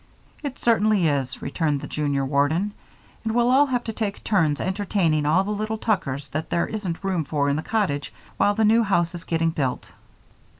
"It certainly is," returned the junior warden, "and we'll all have to take turns entertaining all the little Tuckers that there isn't room for in the cottage while the new house is getting built."